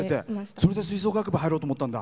それで吹奏楽部入ろうと思ったんだ。